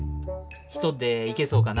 一人で行けそうかな？